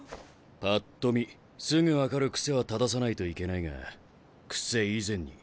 パッと見すぐ分かる癖は正さないといけないが癖以前に意識の問題だからな。